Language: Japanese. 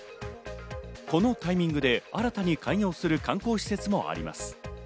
このタイミングで新たに開業する観光施設もあります。